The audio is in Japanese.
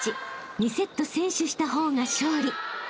２セット先取した方が勝利］